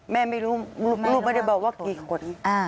แม่ไม่รู้ลูกไม่ได้บอกว่ากี่คน